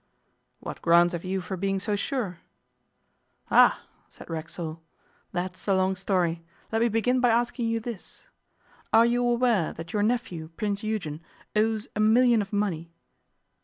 'What grounds have you for being so sure?' 'Ah! said Racksole, 'that is a long story. Let me begin by asking you this. Are you aware that your nephew, Prince Eugen, owes a million of money?